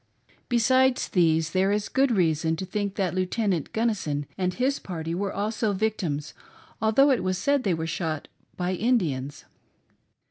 Besides these there is good reason to think that Lieutenant Gunnison and his party were also victims, although it was said that they were shot by " Indians."